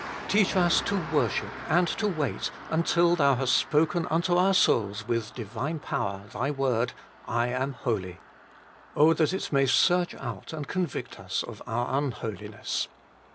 Teach us to worship and to wait until Thou hast spoken unto our souls with Divine Power Thy word, ' I am holy.' Oh that it may search out and convict us of our unholiness